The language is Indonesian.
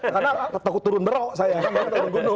karena aku turun berok saya saya turun gunung gitu kan